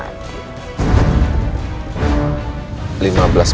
jadi aku sudah mati